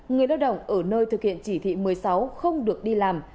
người lao động ở nơi thực hiện chỉ thị một mươi sáu không được đi làm